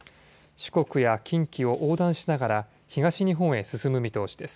四国や近畿を横断しながら東日本へ進む見通しです。